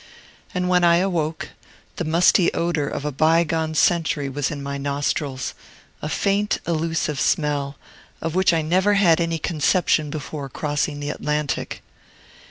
And when I awoke, the musty odor of a bygone century was in my nostrils, a faint, elusive smell, of which I never had any conception before crossing the Atlantic.